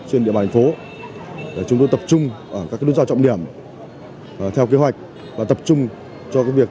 trên địa bàn thành phố chúng tôi tập trung ở các nút giao trọng điểm theo kế hoạch và tập trung cho việc